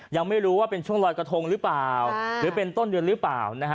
ยังไม่รู้ว่าเป็นช่วงลอยกระทงหรือเปล่าหรือเป็นต้นเดือนหรือเปล่านะฮะ